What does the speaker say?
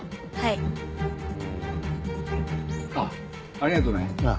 ありがとうね。